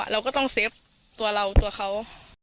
เราก็ต้องเซฟตัวเราตัวเขา